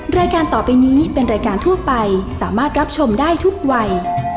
รายการต่อไปนี้เป็นรายการทั่วไปสามารถรับชมได้ทุกวัย